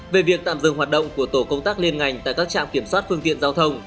về việc tạm dừng hoạt động của tổ công tác liên ngành tại các trạm kiểm soát phương tiện giao thông